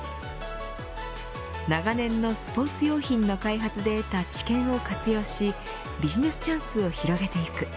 長年のスポーツ用品の開発で得た知見を活用しビジネスチャンスを広げていく。